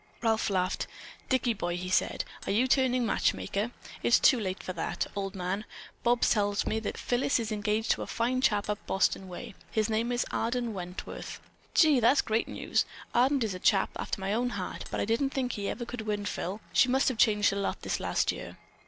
Ralph laughed. "Dicky boy," he said, "are you turning matchmaker? It's too late for that, old man. Bobs tells me that Phyllis is engaged to a fine chap from up Boston way. His name is Arden Wentworth." "Gee, that's great news! Arden is a chap after my own heart, but I didn't think that he ever could win Phyl. She must have changed a lot this last year."